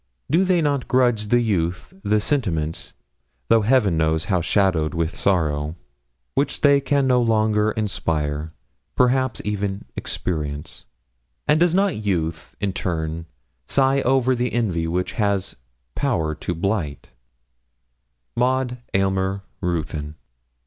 Do they not grudge to youth the sentiments (though Heaven knows how shadowed with sorrow) which they can no longer inspire, perhaps even experience; and does not youth, in turn, sigh over the envy which has power to blight? MAUD AYLMER RUTHYN.'